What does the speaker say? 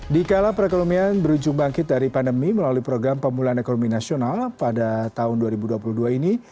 di kala perekonomian berujung bangkit dari pandemi melalui program pemulihan ekonomi nasional pada tahun dua ribu dua puluh dua ini